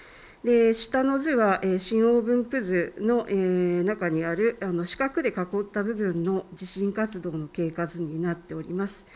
下の図は震央分布図の中にある四角で囲った部分の地震活動の経過図になっています。